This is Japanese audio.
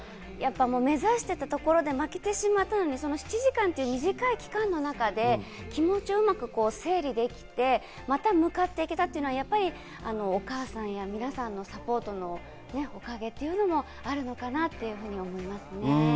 目指していたところで負けてしまったのに７時間という短い期間の中で気持ちをうまく整理できて、また向かっていけたというのは、やっぱりお母さんや皆さんのサポートのおかげというのもあるのかなって思いますね。